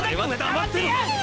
黙ってや！